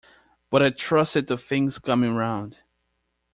But I trusted to things coming round.